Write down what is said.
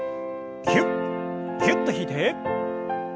キュッキュッと引いて。